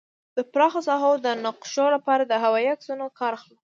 د پراخه ساحو د نقشو لپاره له هوايي عکسونو کار اخلو